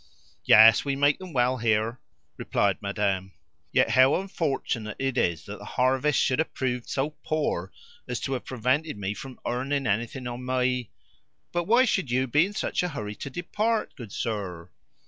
"Yes, we make them well here," replied Madame. "Yet how unfortunate it is that the harvest should have proved so poor as to have prevented me from earning anything on my But why should you be in such a hurry to depart, good sir?"